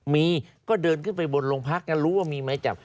มีก็เดินขึ้นไปบนโรงพักแล้วรู้ว่ามีไม้จับ